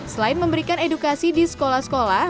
selain memberikan edukasi di sekolah sekolah